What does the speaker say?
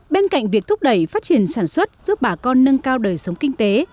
bên cạnh việc thúc đẩy phát triển sản xuất giúp bà con nâng cao đời sống kinh tế